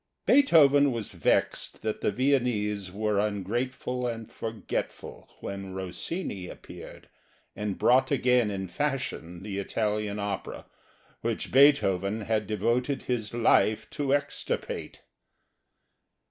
Beethoven was vexed that the Viennese were ungrateful and forgetful when Rossini appeared and brought again in fashion the Italian opera, which Beethoven, had devoted his life to extirpate.